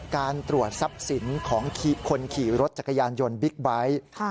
การตรวจทรัพย์สินของคนขี่รถจักรยานยนต์บิ๊กไบท์